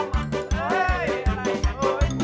มันอะไรข้า